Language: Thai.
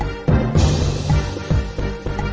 กินโทษส่องแล้วอย่างนี้ก็ได้